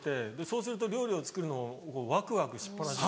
そうすると料理を作るのワクワクしっ放し。